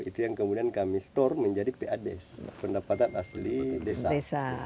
itu yang kemudian kami store menjadi pad pendapatan asli desa